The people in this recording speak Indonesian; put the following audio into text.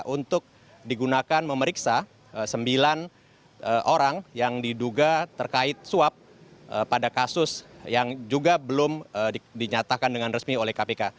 untuk digunakan memeriksa sembilan orang yang diduga terkait suap pada kasus yang juga belum dinyatakan dengan resmi oleh kpk